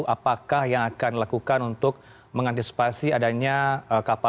apakah yang akan dilakukan untuk mengantisipasi adanya kapal